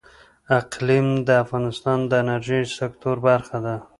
اقلیم د افغانستان د انرژۍ سکتور برخه ده.